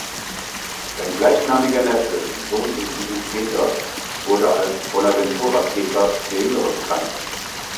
Sein gleichnamiger Neffe, Sohn des Gillis Peeters, wurde als Bonaventura Peeters der Jüngere bekannt.